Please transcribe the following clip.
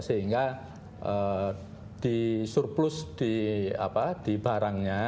sehingga di surplus di barangnya